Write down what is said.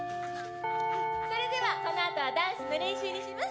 それではこのあとはダンスの練習にします。